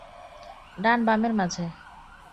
ডান বামের মাঝে।